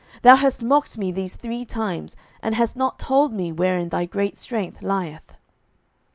thou hast mocked me these three times, and hast not told me wherein thy great strength lieth.